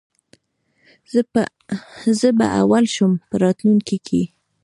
زه به اول شم په راتلونکې کي